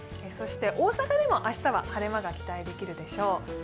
そして、大阪でも明日は晴れ間が期待できるでしょう。